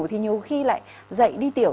thì nhiều khi lại dậy đi tiểu